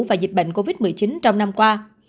và dịch bệnh covid một mươi chín trong năm qua